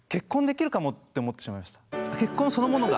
結婚そのものが。